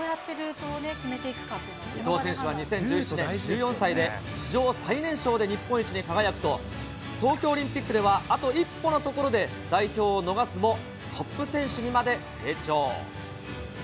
伊藤選手は２０１７年、１４歳で、史上最年少で日本一に輝くと、東京オリンピックではあと一歩のところで代表を逃すも、トップ選手にまで成長。